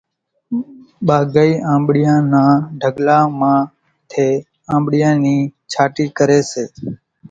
ٻاگھائِي آنٻڙِيان نا ڍڳلا مان ٿِي آنٻڙِيان نِي ڇانٽِي ڪريَ سي۔